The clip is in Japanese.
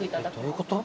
どういうこと？